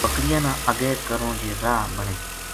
بکریاں نا اگے کروں جے راہ بنے